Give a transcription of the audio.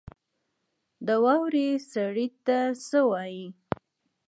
د واورې سړي ته څه وايي؟